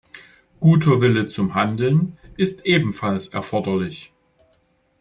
Guter Wille zum Handeln ist ebenfalls erforderlich.